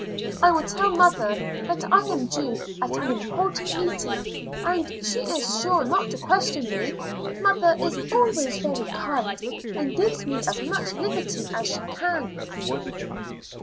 I will tell mother that I am due at an important meeting, and she is sure not to question me; mother is always very kind, and gives me as much liberty as she can."